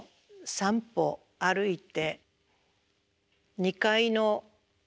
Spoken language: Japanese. ３歩歩いて？